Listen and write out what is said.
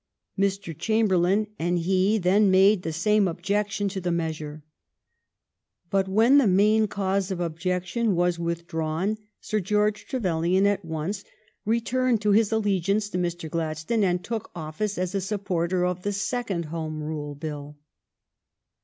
Mr. Chamberlain and he then made the same objection to the measure. But when the main cause of objection was withdrawn Sir George Trevelyan at once returned to his allegiance to Mr. Gladstone and took office as a supporter of the second Home Rule Bill.